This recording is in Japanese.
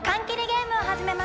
ゲームを始めます。